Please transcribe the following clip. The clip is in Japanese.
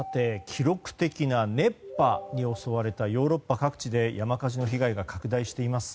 記録的な熱波に襲われたヨーロッパ各地で山火事の被害が拡大しています。